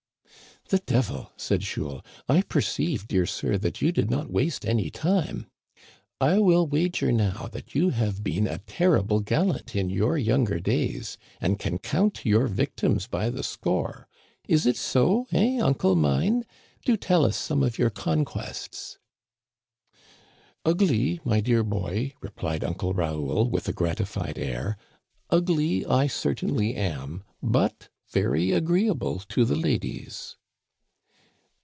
" The devil," said Jules, " I perceive, dear sir, that you did not waste any time. I will wager, now, that you have been a terrible gallant in your younger days, and can count your victims by the score. It is so, eh, uncle mine ? Do tell us some of your conquests." Ugly, my dear boy," replied Uncle Raoul, with a gratified air, " ugly I certainly am, but very agreeable to the ladies."